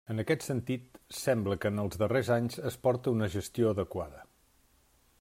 En aquest sentit sembla que en els darrers anys es porta una gestió adequada.